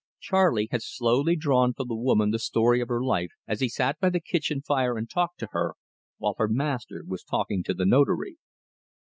Charley had slowly drawn from the woman the story of her life as he sat by the kitchen fire and talked to her, while her master was talking to the Notary.